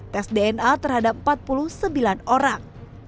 tes dna terhadap empat puluh sembilan orang